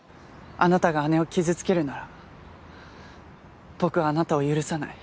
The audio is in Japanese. あなたが姉を傷つけるなら僕はあなたを許さない。